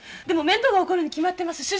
でも面倒が起こるに決まってます。